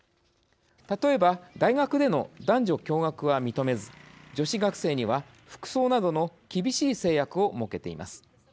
例えば大学での男女共学は認めず女子学生には服装などの厳しい制約を設けています。